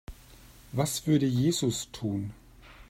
Was würde Jesus tun?